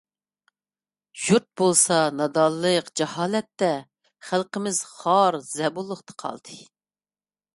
يۇرت بولسا نادانلىق، جاھالەتتە، خەلقىمىز خار-زەبۇنلۇقتا قالدى.